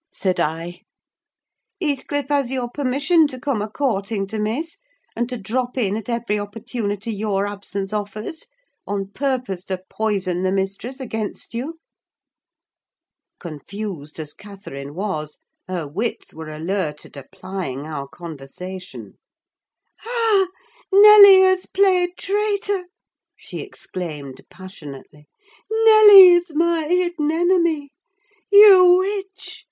said I. "Heathcliff has your permission to come a courting to Miss, and to drop in at every opportunity your absence offers, on purpose to poison the mistress against you?" Confused as Catherine was, her wits were alert at applying our conversation. "Ah! Nelly has played traitor," she exclaimed, passionately. "Nelly is my hidden enemy. You witch!